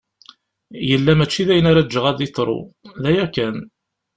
Yella mačči d ayen ara ǧǧeɣ ad yeḍru, d aya kan.